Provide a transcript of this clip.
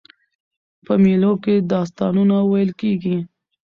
په مېلو کښي داستانونه ویل کېږي.